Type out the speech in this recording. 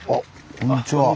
こんにちは。